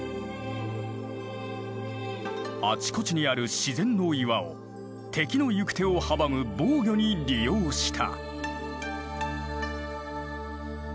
あちこちにある自然の岩を敵の行く手を阻む防御に利用した。